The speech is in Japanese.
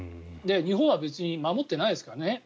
日本は別に守っていないですからね